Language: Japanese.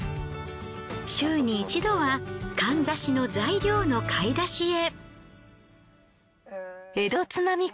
週に１度はかんざしの材料の買い出しへ。